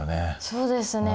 そうですね。